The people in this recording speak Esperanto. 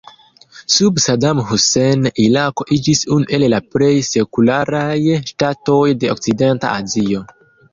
Sub Saddam Hussein Irako iĝis unu el la plej sekularaj ŝtatoj de okcidenta Azio.